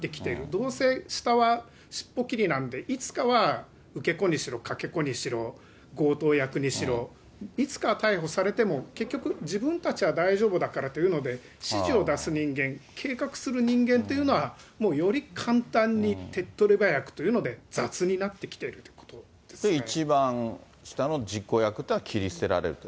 どうせ、下は尻尾切りなんで、いつかは受け子にしろ、かけ子にしろ、強盗役にしろ、いつか逮捕されても結局、自分たちは大丈夫だからというので、指示を出す人間、計画する人間というのは、もうより簡単に、手っ取り早くというので、雑になってきているということです一番下の実行役っていうのは、切り捨てられると。